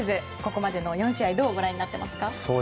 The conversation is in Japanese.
ここまでの４試合どうご覧になってますか？